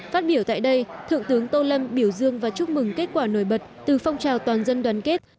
phát biểu tại đây thượng tướng tô lâm biểu dương và chúc mừng kết quả nổi bật từ phong trào toàn dân đoàn kết